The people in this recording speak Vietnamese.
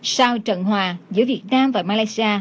sau trận hòa giữa việt nam và malaysia